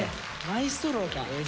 マイストローか。